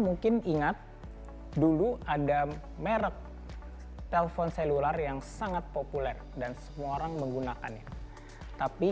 mungkin ingat dulu ada merek telepon selular yang sangat populer dan semua orang menggunakannya tapi